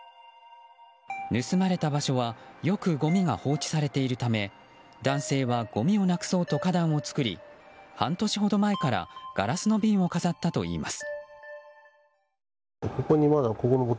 盗まれた場所はよくごみが放置されているため男性はごみをなくそうと花壇を作り半年ほど前からガラスの瓶を飾ったといいます。